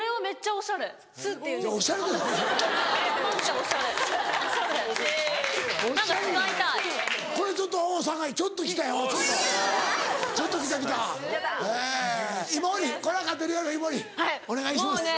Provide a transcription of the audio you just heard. お願いします。